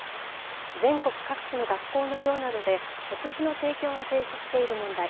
全国各地の学校の寮などで食事の提供が停止している問題。